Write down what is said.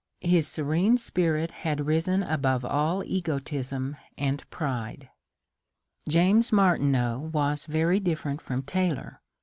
His serene spirit had risen above all egotism and pride. James Martineau was very different from Taylor.